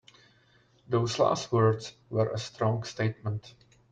Those last words were a strong statement.